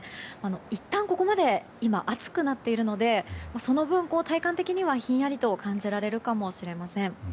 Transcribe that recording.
いったんここまで暑くなっているのでその分、体感的にはひんやりと感じられるかもしれません。